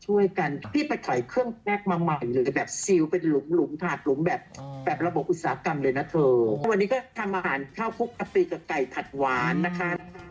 วันนี้ก็ทำอ่านเช่าคลุกพับปีกบ์กับไก่ผัดหวานนะคะ